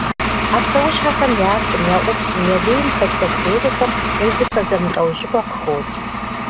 А псэущхьэхэм я цым, я ӏупсым, я вейм хэлъ бактериехэм узыфэ зэмылӏэужьыгъуэ къыхокӏ.